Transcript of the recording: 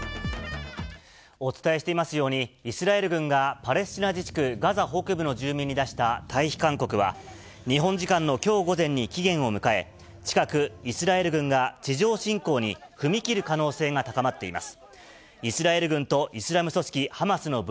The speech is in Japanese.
お伝えしていますように、イスラエル軍がパレスチナ自治区ガザ北部の住民に出した退避勧告は、日本時間のきょう午前に期限を迎え、近く、イスラエル軍が地上侵攻に踏み切る可能性が高まっています。